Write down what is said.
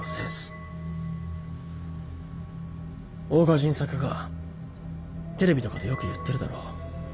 大賀仁策がテレビとかでよく言ってるだろ